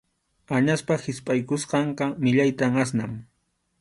Añaspa hispʼaykusqanqa millayta asnan.